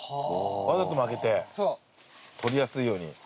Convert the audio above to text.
わざと曲げて取りやすいように。